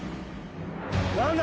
何だ